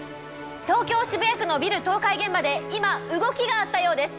東京・渋谷区のビル倒壊現場で今動きがあったようです。